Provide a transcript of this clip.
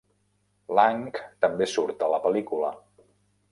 Lang també surt a la pel·lícula.